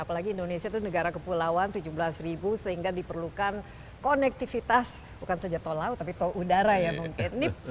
apalagi indonesia itu negara kepulauan tujuh belas sehingga diperlukan konektivitas bukan saja tol laut tapi tol udara ya mungkin